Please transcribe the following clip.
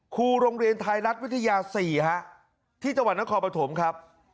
ครูโรงเรียนไทยรัฐวิทยา๔ที่จังหวัดนครปฐมครับ